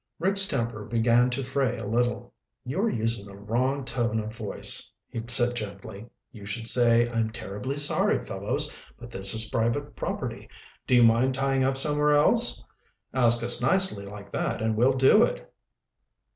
Rick's temper began to fray a little. "You're using the wrong tone of voice," he said gently. "You should say 'I'm terribly sorry, fellows, but this is private property. Do you mind tying up somewhere else?' Ask us nicely like that and we'll do it."